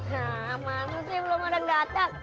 hah mana sih belum ada yang datang